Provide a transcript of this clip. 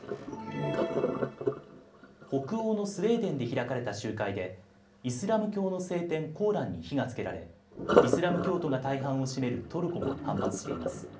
北欧のスウェーデンで開かれた集会でイスラム教の聖典、コーランに火がつけられイスラム教徒が大半を占めるトルコが反発しています。